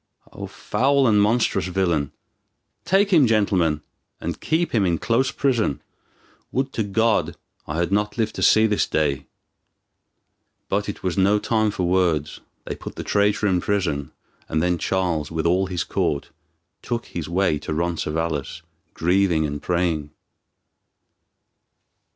O foul and monstrous villain! Take him, gentleman, and keep him in close prison. Would to God I had not lived to see this day!" But it was no time for words. They put the traitor in prison and then Charles, with all his court, took his way to Roncesvalles, grieving and praying.